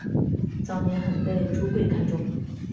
早年很被朱圭看重。